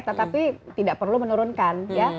tetapi tidak perlu menurunkan ya